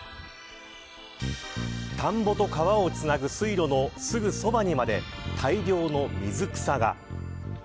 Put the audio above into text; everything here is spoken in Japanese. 田んぼと川をつなぐ水路のすぐそばにまで大量の水草が。